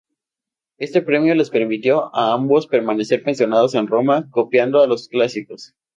Este premio les permitió a ambos permanecer pensionados en Roma, copiando a los clásicos.